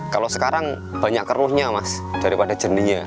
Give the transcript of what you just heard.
kalau sekarang banyak keruhnya mas daripada jendinya